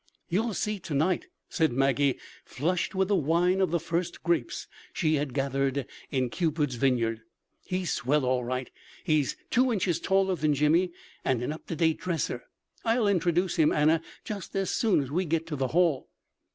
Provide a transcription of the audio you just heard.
"You'll see to night," said Maggie, flushed with the wine of the first grapes she had gathered in Cupid's vineyard. "He's swell all right. He's two inches taller than Jimmy, and an up to date dresser. I'll introduce him, Anna, just as soon as we get to the hall."